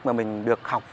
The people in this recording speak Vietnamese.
mà mình được học